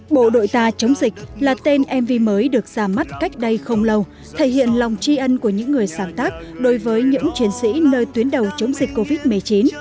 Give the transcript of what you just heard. bộ đội ta chống dịch là tên mv mới được ra mắt cách đây không lâu thể hiện lòng tri ân của những người sáng tác đối với những chiến sĩ nơi tuyến đầu chống dịch covid một mươi chín